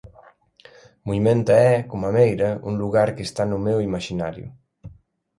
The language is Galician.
Muimenta é, coma Meira, un lugar que está no meu imaxinario.